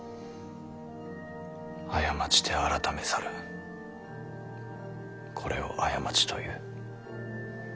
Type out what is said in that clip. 「過ちて改めざるこれを過ちという」。